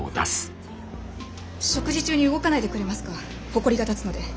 食事中に動かないでくれますかほこりが立つので。